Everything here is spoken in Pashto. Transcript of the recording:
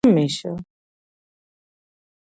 هغوی په تاوده غزل کې پر بل باندې ژمن شول.